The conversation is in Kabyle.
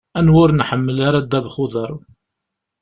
Anwa ur nḥemmel ara ddabex n uḍaṛ?